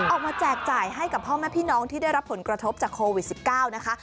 แจกจ่ายให้กับพ่อแม่พี่น้องที่ได้รับผลกระทบจากโควิด๑๙นะคะ